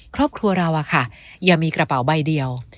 ครอบครัวเราอย่ามีกระเป๋าใบเดียว